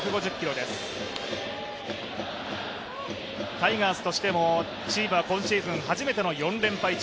タイガースとしてもチームは今シーズン初めての４連敗中。